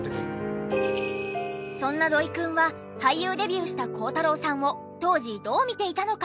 そんな土井くんは俳優デビューした孝太郎さんを当時どう見ていたのか？